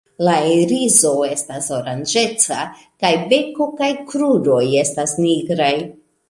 La iriso estas oranĝeca, kaj beko kaj kruroj estas nigraj.